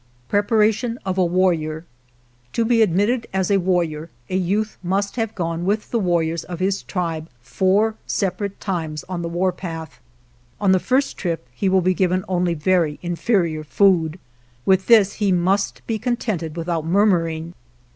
Preparation of a Warrior To be admitted as a warrior a youth must have gone with the warriors of his tribe four separate times on the warpath. 187 GERONIMO On the first trip he will be given only very inferior food. With this he must be con tented without murmuring.